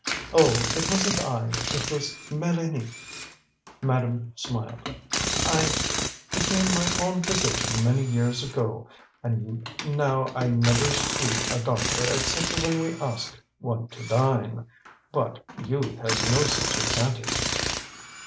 "Oh, it wasn't I; it was Mélanie," Madame smiled. "I became my own physician many years ago, and now I never see a doctor except when we ask one to dine. But youth has no such advantage."